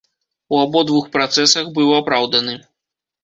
У абодвух працэсах быў апраўданы.